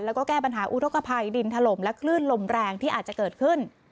แล้วก็แก้ปัญหาอุทธกภัยดินถล่มและคลื่นลมแรงที่อาจจะเกิดขึ้น